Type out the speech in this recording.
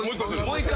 もう１回。